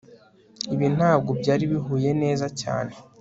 Ibi ntabwo byari bihuye neza cyane